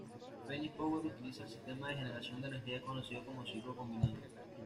Fenix Power utiliza el sistema de generación de energía conocido como ciclo combinado.